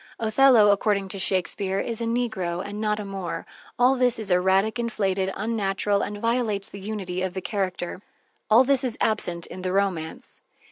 Othello, according to Shakespeare, is a negro and not a Moor. All this is erratic, inflated, unnatural, and violates the unity of the character. All this is absent in the romance.